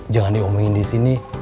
jangan diomongin disini